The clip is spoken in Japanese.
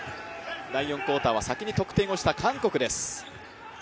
第４クオーターは先に得点をした韓国です。